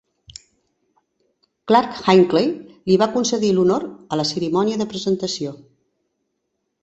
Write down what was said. Clarke Hinkle li va concedir l'honor a la cerimònia de presentació.